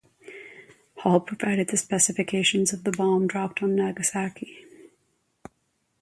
Hall provided the specifications of the bomb dropped on Nagasaki.